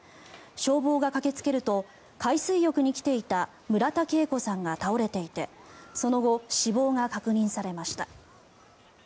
消防が駆けつけると海水浴に来ていた村田桂子さんが倒れていてその後、死亡が確認されました。